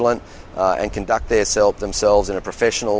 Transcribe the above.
dan melakukan diri mereka sendiri dengan cara profesional